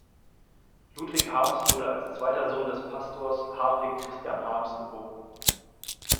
Ludwig Harms wurde als zweiter Sohn des Pastors Hartwig Christian Harms geboren.